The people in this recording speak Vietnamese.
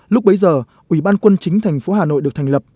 lúc bấy giờ ủy ban quân chính thành phố hà nội được thành lập